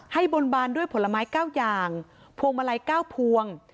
บนบานด้วยผลไม้๙อย่างพวงมาลัย๙พวง